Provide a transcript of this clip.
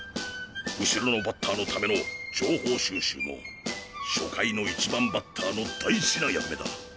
後ろのバッターのための情報収集も初回の１番バッターの大事な役目だ。